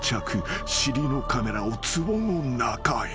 ［尻のカメラをつぼの中へ］